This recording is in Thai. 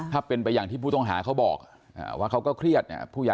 ถ้าเป็นไปอย่างที่ผู้ต้องหาเขาบอกว่าเขาก็เครียดเนี่ย